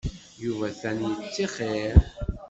Yuba atan ad yettixer.